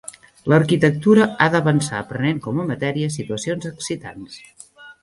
L'arquitectura ha d'avançar prenent com a matèria situacions excitants.